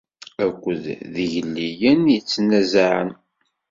Akked yigellilen yettnazaɛen.